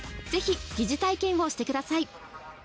ぜひ疑似体験をしてください。